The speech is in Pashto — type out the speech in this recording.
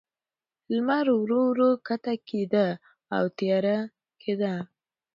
لمر ورو، ورو کښته کېده، او تیاره کېده.